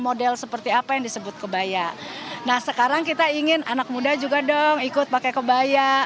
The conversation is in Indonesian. model seperti apa yang disebut kebaya nah sekarang kita ingin anak muda juga dong ikut pakai kebaya